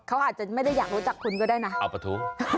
เขาอาจจะไม่ได้อยากรู้จักคุณก็ได้นะเอาประทุ